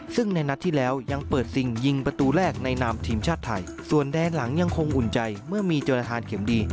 ซึ่งในนัดที่แล้วยังเปิดซิงยิงประตูแรกในนามทีมชาติไทยส่วนแดนหลังยังคงอุ่นใจเมื่อมีจนทานเข็มดี